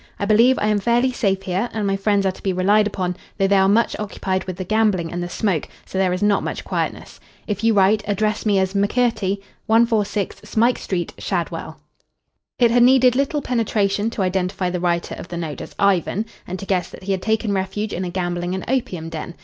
I believe I am fairly safe here, and my friends are to be relied upon, though they are much occupied with the gambling and the smoke, so there is not much quietness. If you write, address me as Mackirty, 146 Smike Street, Shadwell." It had needed little penetration to identify the writer of the note as Ivan, and to guess that he had taken refuge in a gambling and opium den.